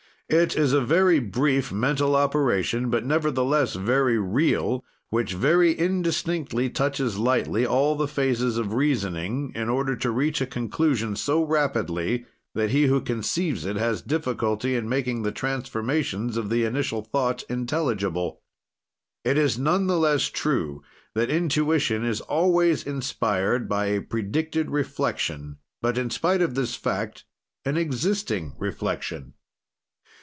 It is a very brief mental operation, but, nevertheless, very real, which, very indistinctly, touches lightly all the phases of reasoning, in order to reach a conclusion so rapidly that he who conceives it has difficulty in making the transformations of the initial thought intelligible. It is none the less true that intuition is always inspired by a predicted reflection, but, in spite of this fact, an existing reflection.